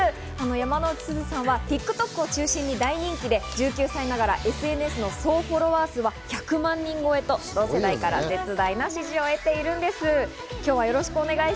山之内すずさんはＴｉｋＴｏｋを中心に大人気で１９歳ながらＳＮＳの総フォロワー数は１００万人越えと同世代から絶大な支持を受けているんです。